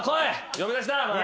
呼び出しだお前。